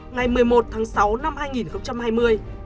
ngày một mươi một tháng sáu năm hai nghìn hai mươi